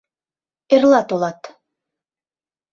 Эрла толат...